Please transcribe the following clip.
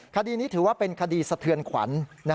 คดีนี้ถือว่าเป็นคดีสะเทือนขวัญ